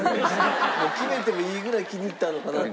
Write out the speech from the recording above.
もう決めてもいいぐらい気に入ったのかなと。